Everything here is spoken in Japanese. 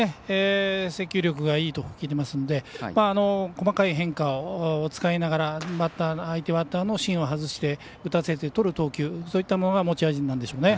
制球力がいいと聞いているので細かい変化を使いながら相手バッターの芯を外して、打たせてとる投球そういったものが持ち味なんでしょうね。